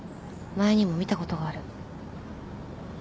前にも見たことがある。